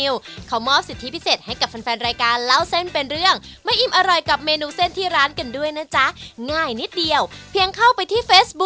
วันนี้ขอบคุณมากเลยครับ